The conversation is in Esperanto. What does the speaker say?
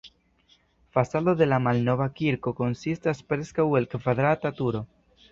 Fasado de la malnova kirko konsistas preskaŭ el kvadrata turo.